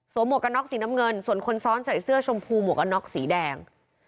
หมวกกันน็อกสีน้ำเงินส่วนคนซ้อนใส่เสื้อชมพูหมวกกันน็อกสีแดง